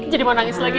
jadi mau nangis lagi